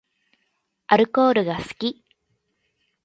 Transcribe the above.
アルコールが好き